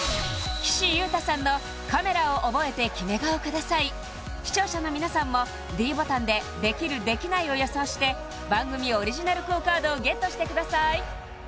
岸優太さんの視聴者の皆さんもｄボタンでできるできないを予想して番組オリジナルＱＵＯカードをＧＥＴしてください